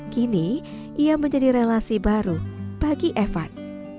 kini ia menjadi relasi baru bagi evan